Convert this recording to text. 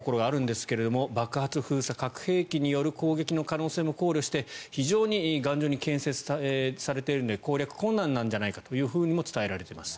地下に要塞的なところがあるんですが爆発、封鎖核兵器による攻撃の可能性も考慮して非常に頑丈に建設されているので攻略が困難じゃないかとも伝えられています。